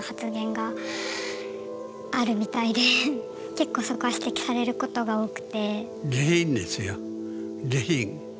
結構そこは指摘されることが多くて。